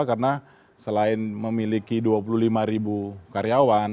karena selain memiliki dua puluh lima ribu karyawan